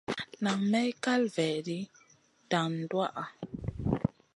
Nan may kal vaidi dan duwaha.